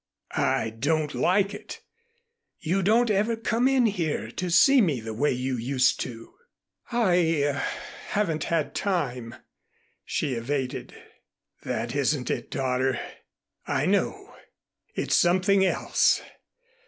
I don't like it. You don't ever come in here to see me the way you used to." "I haven't had time," she evaded. "That isn't it, daughter. I know. It's something else.